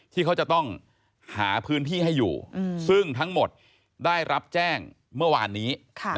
ที่เขาจะต้องหาพื้นที่ให้อยู่ซึ่งทั้งหมดได้รับแจ้งเมื่อวานนี้